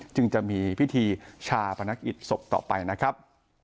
จึงจะมีพิธีชาพนักกิจศพต่อไปนะครับ